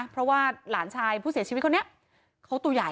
เพราะว่าหลานชายผู้เสียชีวิตคนนี้เขาตัวใหญ่